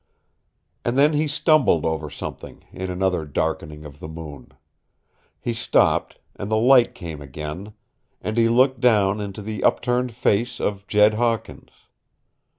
And then he stumbled over something in another darkening of the moon. He stopped, and the light came again, and he looked down into the upturned face of Jed Hawkins.